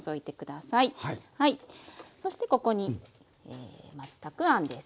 そしてここにまずたくあんです。